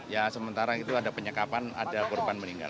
ya sementara itu ada penyekapan ada korban meninggal